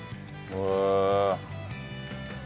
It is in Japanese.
へえ。